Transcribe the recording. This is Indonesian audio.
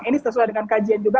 ini sesuai dengan kajian juga